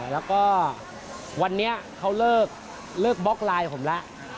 แล้วก็วันนี้เขาเลิกบล็อกไลน์ผมแล้ว